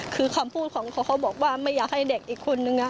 คือคำพูดของเขาเขาบอกว่าไม่อยากให้เด็กอีกคนนึง